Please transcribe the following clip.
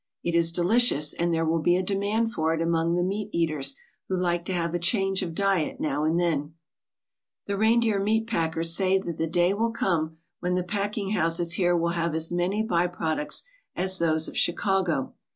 It is delicious, and there will be a demand for it among the meat eaters who like to have a change of diet now and then/' The reindeer meat packers say that the day will come when the packing houses here will have as many by products as those of Chicago.